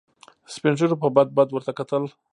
سپين ږيرو به بد بد ورته وکتل.